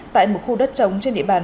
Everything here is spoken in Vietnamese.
tại một khu đất trống trên địa bàn